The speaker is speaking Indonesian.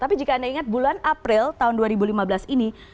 tapi jika anda ingat bulan april tahun dua ribu lima belas ini